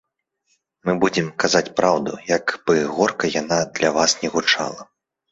Мы будзем казаць праўду, як бы горка яна для вас ні гучала.